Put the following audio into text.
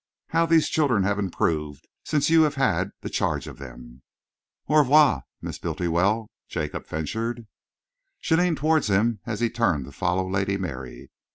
How these children have improved since you had the charge of them." "Au revoir, Miss Bultiwell," Jacob ventured. She leaned towards him as he turned to follow Lady Mary.